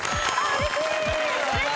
うれしい！